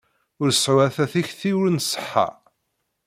Ur seɛɛu ata tikti ur nṣeḥḥa.